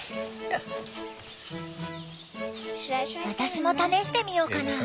私も試してみようかな。